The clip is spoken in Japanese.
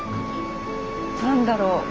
何だろう？